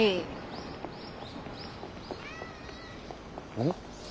うん？